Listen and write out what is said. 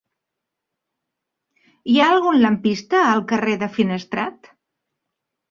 Hi ha algun lampista al carrer de Finestrat?